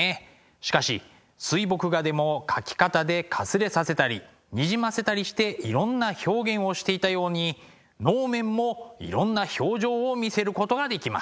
しかし水墨画でも描き方でかすれさせたりにじませたりしていろんな表現をしていたように能面もいろんな表情を見せることができます。